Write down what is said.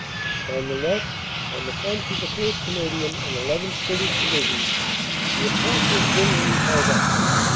On the left, on the fronts of the 1st. Canadian and llth. British Divisions, the attack was generally held up.